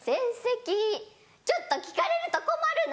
ちょっと聞かれると困るな。